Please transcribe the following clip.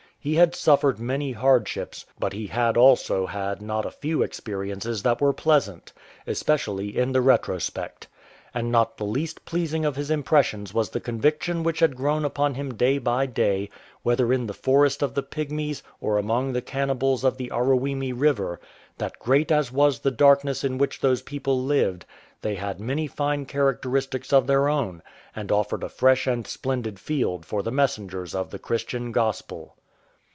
He had suffered many hardships, but he had also had not a few experiences that were pleasant — especially in the retrospect. And not the least pleasing of his impressions was the convic tion which had grown upon him day by day, whether in the forest of the Pygmies or among the cannibals of the Aruwimi river, that great as was the darkness in which those people lived, they had many fine characteristics of their own, and offered a fresh and splendid field for the messengers of the Christian Gospel.